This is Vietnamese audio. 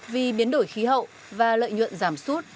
vì biến đổi khí hậu và lợi nhuận giảm sút